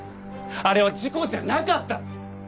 あれは事故じゃなかった！